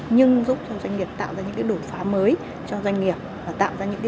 nhưng giúp cho doanh nghiệp tạo ra những đổi phá mới cho doanh nghiệp và tạo ra những gì